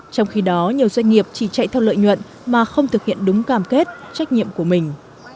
trong khi đó nhiều doanh nghiệp chỉ chạy theo lợi nhuận mà không thực hiện đúng cam kết trách nhiệm của mình